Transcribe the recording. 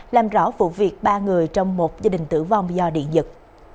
làm rõ vụ việc ba người trong một gia đình tử vong do điện giật